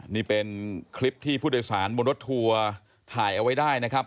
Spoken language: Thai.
นี่เป็นคลิปที่ผู้โดยสารบนรถทัวร์ถ่ายเอาไว้ได้นะครับ